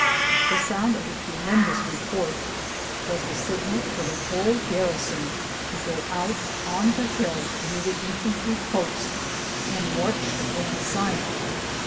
The sound of the tremendous report was the signal for the whole garrison to go out on the hill near the infantry post and watch the grand sight.